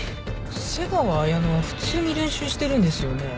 瀬川綾乃は普通に練習してるんですよね？